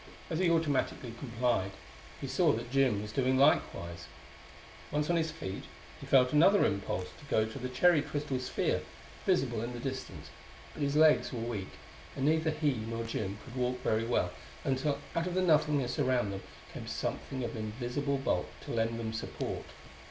As he automatically complied he saw that Jim was doing likewise. Once on his feet he felt another impulse to go to the cherry crystal sphere, visible in the distance; but his legs were weak, and neither he nor Jim could walk very well until out of the nothingness around them came something of invisible bulk to lend them support.